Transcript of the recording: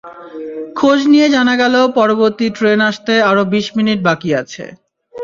খোঁজ নিয়ে জানা গেল পরবর্তী ট্রেন আসতে আরও বিশ মিনিট বাকি আছে।